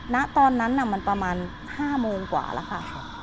ณตอนนั้นมันประมาณ๕โมงกว่าแล้วค่ะ